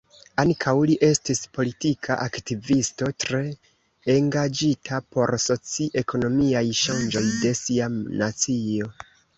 Ankaŭ li estis politika aktivisto, tre engaĝita por soci-ekonomiaj ŝanĝoj de sia nacio.